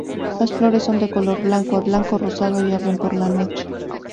Las flores son de color blanco a blanco rosado y abren por la noche.